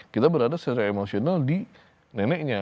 kita berada secara emosional di neneknya